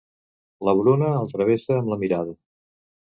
La Bruna el travessa amb la mirada.